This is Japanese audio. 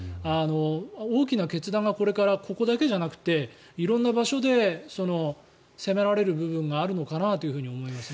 大きな決断がこれから、ここだけじゃなくて色んな場所で迫られる部分があるんじゃないかと思います。